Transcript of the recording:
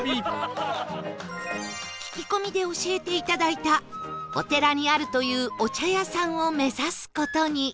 聞き込みで教えて頂いたお寺にあるというお茶屋さんを目指す事に